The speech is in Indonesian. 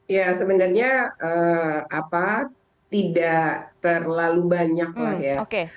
ya sebenarnya tidak terlalu banyak lah ya